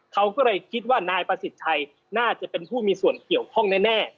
เขาก็เลยคิดว่านายประสิทธิ์ชัยน่าจะเป็นผู้มีส่วนเกี่ยวข้องแน่